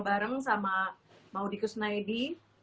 bareng sama maudie kusnayadi